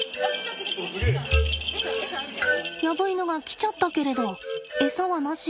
ヤブイヌが来ちゃったけれど餌はなし。